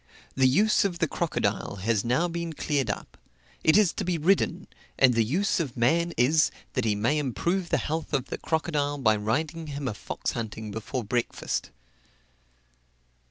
The use of the crocodile has now been cleared up it is to be ridden; and the use of man is, that he may improve the health of the crocodile by riding him a fox hunting before breakfast.